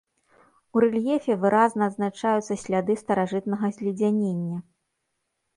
У рэльефе выразна адзначаюцца сляды старажытнага зледзянення.